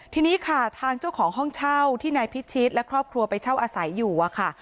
ทีนี้ค่ะทางเจ้าของห้องเช่าที่นายพิชิตและครอบครัวไปเช่าอาศัยอยู่อะค่ะ